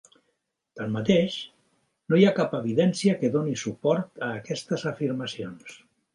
Tanmateix, no hi ha cap evidència que doni suport a aquestes afirmacions.